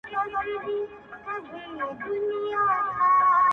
گوندي وي چي یوه ورځ دي ژوند بهتر سي!.